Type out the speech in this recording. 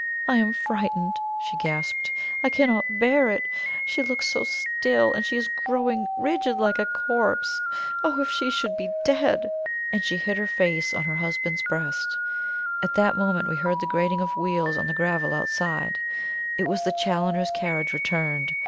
"I am frightened," she gasped. "I cannot bear it she looks so still, and she is growing rigid, like a corpse! Oh, if she should be dead!" And she hid her face on her husband's breast. At that moment we heard the grating of wheels on the gravel outside; it was the Challoners' carriage returned.